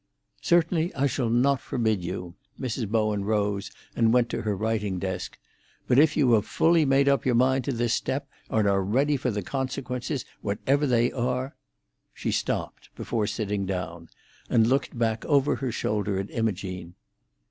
"Certainly I shall not forbid you." Mrs. Bowen rose and went to her writing desk. "But if you have fully made up your mind to this step, and are ready for the consequences, whatever they are——" She stopped, before sitting down, and looked back over her shoulder at Imogene.